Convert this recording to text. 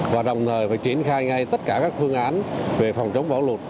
và đồng thời phải triển khai ngay tất cả các phương án về phòng chống bão lụt